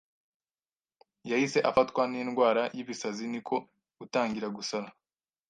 yahise afatwa n’indwara y’ ibisazi niko gutangira gusara